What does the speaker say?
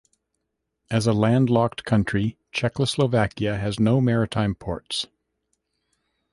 As a landlocked country, Czechoslovakia has no maritime ports.